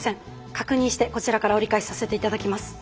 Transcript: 確認してこちらから折り返しさせて頂きます。